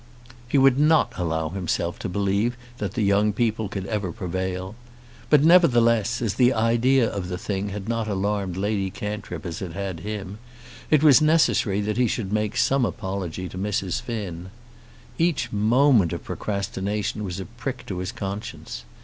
He would not allow himself to believe that the young people could ever prevail; but nevertheless, as the idea of the thing had not alarmed Lady Cantrip as it had him, it was necessary that he should make some apology to Mrs. Finn. Each moment of procrastination was a prick to his conscience.